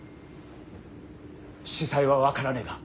子細は分からねえが